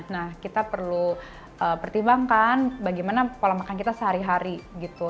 nah kita perlu pertimbangkan bagaimana pola makan kita sehari hari gitu